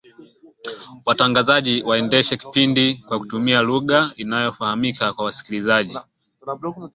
watangazaji waendeshe kipindi kwa kutumia lugha inayofahamika kwa wasikilizaji